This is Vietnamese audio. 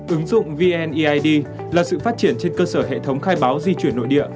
ứng dụng vneid là sự phát triển trên cơ sở hệ thống khai báo di chuyển nội địa